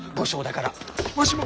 わしも！